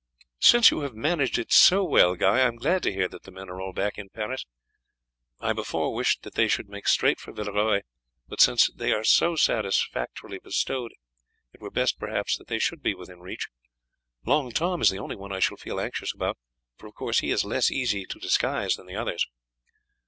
"Since you have managed it all so well, Guy, I am glad to hear that the men are all back in Paris. I before wished that they should make straight for Villeroy, but since they are so safely bestowed it were best perhaps that they should be within reach. Long Tom is the only one I shall feel anxious about, for of course he is less easy to disguise than the others."